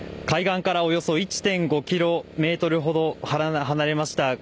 海岸からおよそ１．５キロメートルほど離れました。